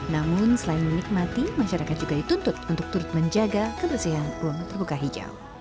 namun selain menikmati masyarakat juga dituntut untuk turut menjaga kebersihan ruang terbuka hijau